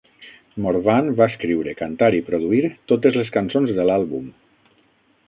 Morvan va escriure, cantar i produir totes les cançons de l'àlbum.